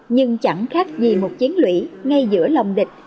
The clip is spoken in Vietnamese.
nhưng chẳng khác gì một chiến lũy ngay giữa lòng địch